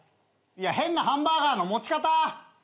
いや変なハンバーガーの持ち方！